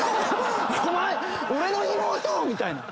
お前俺の妹を！みたいな。